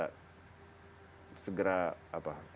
mudah mudahan lembaga kementerian yang terkait bisa